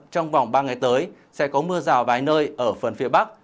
trong vòng ba ngày tới sẽ có mưa rào vài nơi ở phần phía bắc